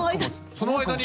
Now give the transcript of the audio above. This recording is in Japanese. その間に。